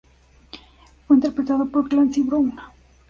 Fue interpretado por Clancy Brown.